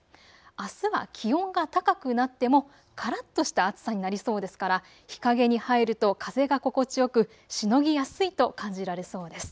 あすは気温が高くなってもからっとした暑さになりそうですから、日陰に入ると風が心地よく、しのぎやすいと感じられそうです。